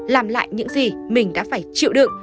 làm lại những gì mình đã phải chịu được